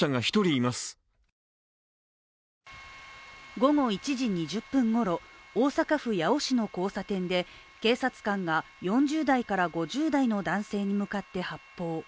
午後１時２０分ごろ、大阪府八尾市の交差点で警察官が４０代から５０代の男性に向かって発砲。